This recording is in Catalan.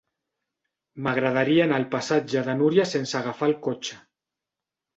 M'agradaria anar al passatge de Núria sense agafar el cotxe.